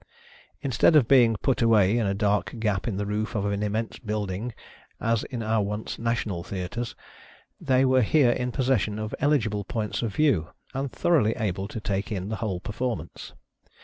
Instead of THE AMUSEMENTS OF THE PEOPLE. l69 toeing put away in a dark gap in the roof of an immense building, as in our once National Theatres, they were here in possession of eligible points of view, and thoroughly able to take ia the whole performance.